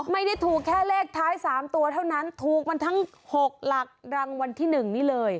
ไม่ได้ถูกแค่เลขท้าย๓ตัวเท่านั้นถูกมันทั้ง๖หลักรางวัลที่๑นี้เลย